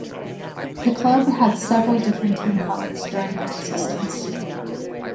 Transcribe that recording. The club had several different team colours during their existence.